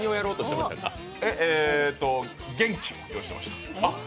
元気！を用意してました。